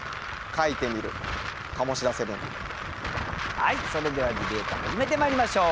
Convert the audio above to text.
はいそれではディベート始めてまいりましょう。